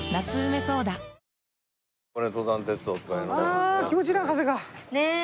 あ気持ちいいな風が！ねえ！